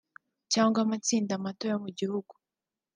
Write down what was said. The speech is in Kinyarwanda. cyangwa amatsinda mato yo mu gihugu